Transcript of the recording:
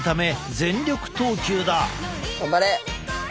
頑張れ！